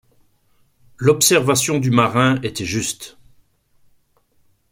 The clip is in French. L’observation du marin était juste.